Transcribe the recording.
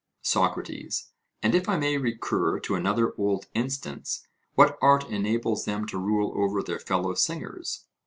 SOCRATES: And, if I may recur to another old instance, what art enables them to rule over their fellow singers?